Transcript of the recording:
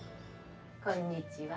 こんにちは。